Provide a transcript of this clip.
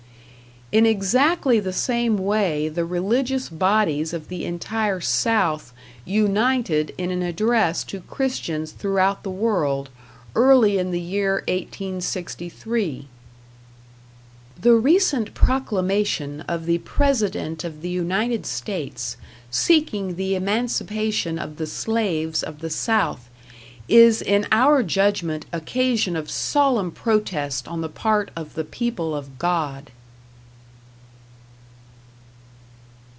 In exactly the same way the religious bodies of the entire South united in an address to Christians throughout the world, early in the year 1863: The recent proclamation of the President of the United States, seeking the emancipation of the slaves of the South, is in our judgment occasion of solemn protest on the part of the people of God.